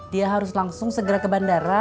dia harus langsung segera ke bandara